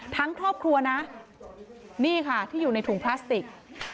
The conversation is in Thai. ครอบครัวนะนี่ค่ะที่อยู่ในถุงพลาสติก